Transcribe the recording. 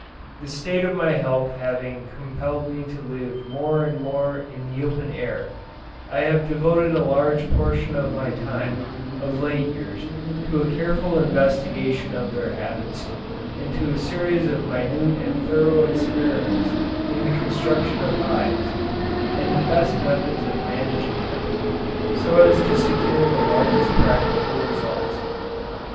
The state of my health having compelled me to live more and more in the open air, I have devoted a large portion of my time, of late years, to a careful investigation of their habits, and to a series of minute and thorough experiments in the construction of hives, and the best methods of managing them, so as to secure the largest practical results.